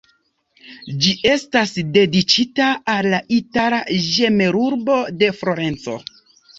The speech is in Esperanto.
Ĝi estas dediĉita al la itala ĝemelurbo de Florenco.